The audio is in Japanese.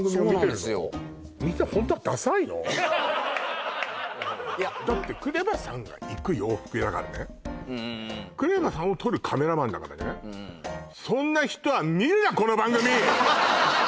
そうなんですよだってＫＲＥＶＡさんが行く洋服屋だからねＫＲＥＶＡさんを撮るカメラマンだからねこの番組！